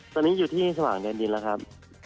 ตอนนี้อยู่ที่สว่างแดนดินแล้วครับ